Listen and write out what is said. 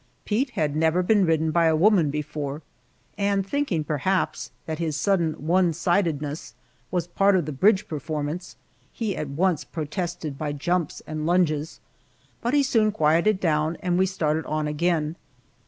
Pete had never been ridden by a woman before, and thinking, perhaps, that his sudden one sidedness was a part of the bridge performance, at once protested by jumps and lunges, but he soon quieted down and we started on again.